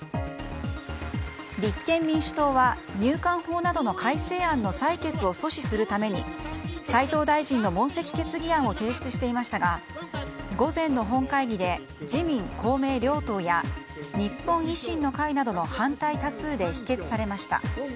立憲民主党は、入管法などの改正案の採決を阻止するために齋藤大臣の問責決議案を提出していましたが午前の本会議で自民・公明両党や日本維新の会などの反対多数で否決されました。